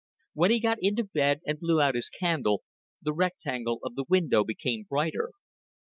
When he got into bed and blew out his candle, the rectangle of the window became brighter.